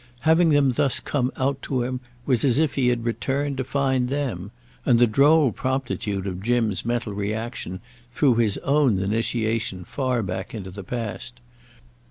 Having them thus come out to him was as if he had returned to find them: and the droll promptitude of Jim's mental reaction threw his own initiation far back into the past.